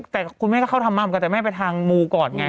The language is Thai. แต่คุณแม่ก็เข้าทำมาเหมือนกันแต่แม่ไปทางมูก่อนไง